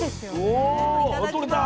お取れた。